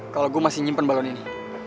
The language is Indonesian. kalo gua masih nyimpen balon ini